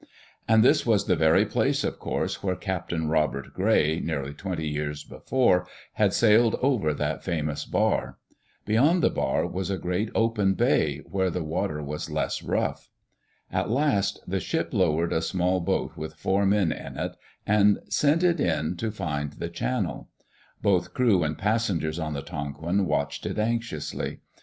And this was the very place, of course, where Captain Robert Gray, nearly twenty years before, had sailed over that famous bar. Beyond the bar was a great open "bay," where the water was less rough. At last the ship lowered a small boat with four men Digitized by CjOOQ IC EARLY DAYS IN OLD OREGON in it, and sent it to find the channel. Both crew and passengers on the Tonquin watched it anxiously.